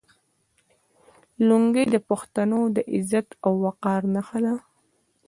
لونګۍ د پښتنو د عزت او وقار نښه ده.